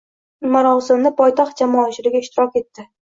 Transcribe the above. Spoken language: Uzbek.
Marosimda poytaxt jamoatchiligi ishtirok etdi.